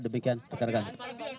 ada beberapa fakta baru misalnya